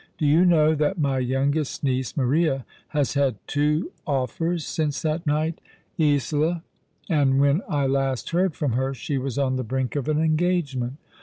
Do you know that my youngest niece, Maria, has had two offers since that night, Isola, and when I last heard from her she was on the brink of an engagement?